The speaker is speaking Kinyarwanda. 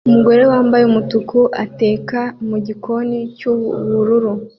Umugore wambaye umutuku ateka mugikoni cyubururu